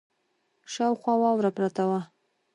شاوخوا واوره پرته وه.